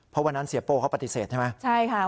เพราะวันนั้นเสียโป้เขาปฏิเสธใช่ไหมใช่ค่ะ